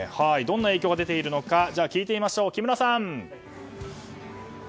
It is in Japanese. どんな影響が出ているのか聞いてみましょう、木村さん。